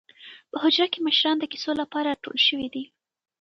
په حجره کې مشران د کیسو لپاره راټول شوي دي.